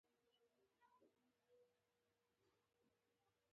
تخت د نیولو لپاره تلاښ پیل کړ.